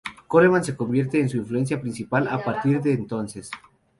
Coleman se convierte en su influencia principal a partir de entonces.